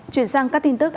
chuyển sang các tin tức